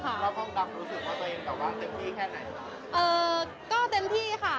เข้าห้องดำรู้สึกว่าตัวเองต่อมาเต็มที่แค่ไหน